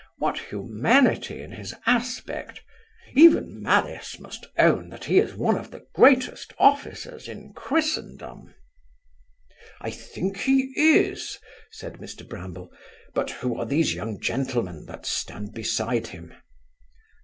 what humanity in his aspect Even malice must own, that he is one of the greatest officers in Christendom.' 'I think he is (said Mr Bramble) but who are these young gentlemen that stand beside him?